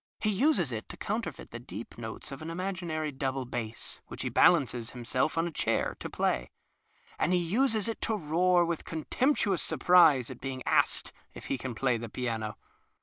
He uses it to coimter feit the deep notes of an imaginary double bass, which he balances himself on a chair to play, and he uses it to roar with contemptuous surprise at being asked if he can play the piano.